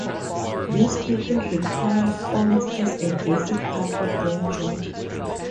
These people require fonts as a basic part of their job.